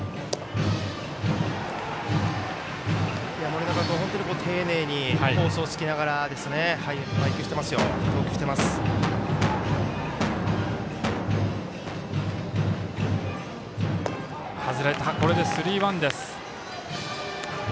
盛永君、本当に丁寧にコースをつきながら配球、投球してます。